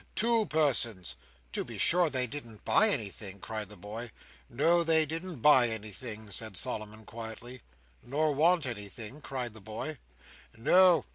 Two persons." "To be sure, they didn't buy anything," cried the boy. "No. They didn't buy anything," said Solomon, quietly. "Nor want anything," cried the boy. "No.